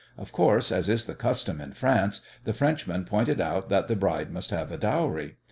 Of course, as is the custom in France, the Frenchman pointed out that the bride must have a dowry.